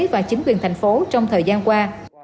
và chính quyền thành phố trong thời gian qua